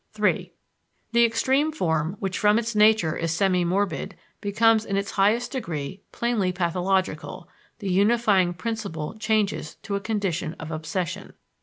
(3) The extreme form, which from its nature is semi morbid, becomes in its highest degree plainly pathological; the unifying principle changes to a condition of obsession.